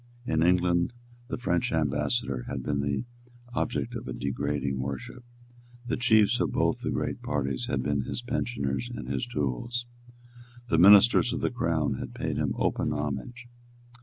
In England the French ambassador had been the object of a degrading worship. The chiefs of both the great parties had been his pensioners and his tools. The ministers of the Crown had paid him open homage.